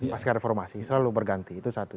pasca reformasi selalu berganti itu satu